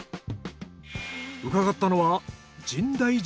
伺ったのは。